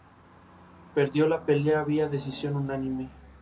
Concepción Arenal es una de las pioneras del feminismo en España.